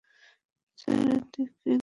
Sir, এদিক দিয়ে চলুন।